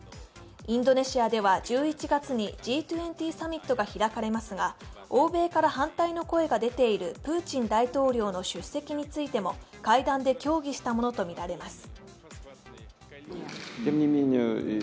インドネシアでは１１月にＧ２０サミットが開かれますが、欧米から反対の声が出ているプーチン大統領の出席についても会談で協議したものとみられます。